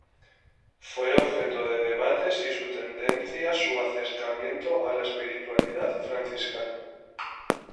Fue objeto de debate si su tendencia su acercamiento a la espiritualidad franciscana.